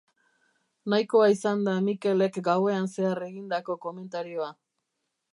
Nahikoa izan da Mikelek gauean zehar egindako komentarioa.